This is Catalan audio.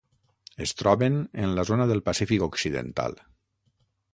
Es troben en la zona del Pacífic occidental: